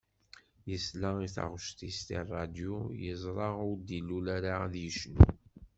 Yesla i taγect-is di ṛṛadiu yezṛa ur d-ilul ara ad yecnu.